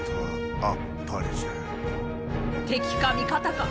敵か味方か